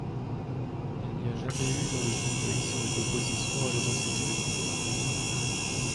Il n'y a jamais eu dans le shintoïsme d'opposition à l'homosexualité.